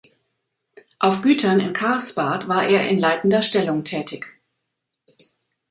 Auf Gütern in Karlsbad war er in leitender Stellung tätig.